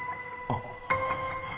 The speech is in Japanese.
あっ。